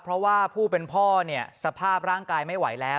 เพราะว่าผู้เป็นพ่อเนี่ยสภาพร่างกายไม่ไหวแล้ว